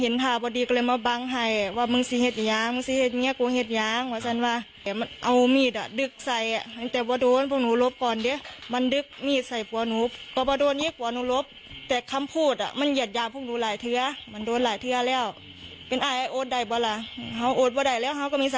ในวิจิตรคือตายไปแล้วอะค่ะ